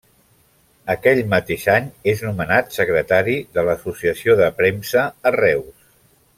Aquell mateix any és nomenat secretari de l'Associació de Premsa a Reus.